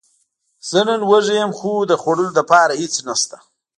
زه نن وږی یم، خو د خوړلو لپاره هیڅ نشته